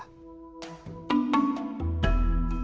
ketika kita mencari barong